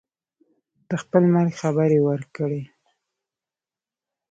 د خپل مرګ خبر یې ورکړی.